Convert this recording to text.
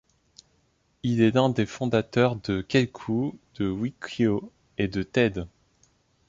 Il est l'un des fondateurs de Kelkoo, de Wikio et de Teads.